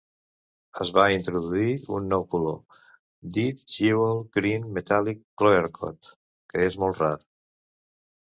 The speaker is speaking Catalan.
Es va introduir un nou color, Deep Jewel Green Metallic Clearcoat, que és molt rar.